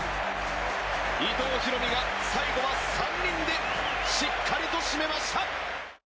伊藤大海が最後は３人でしっかりと締めました。